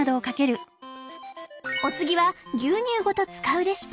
お次は牛乳ごと使うレシピ！